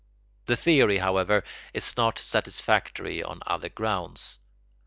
The theory, however, is not satisfactory on other grounds.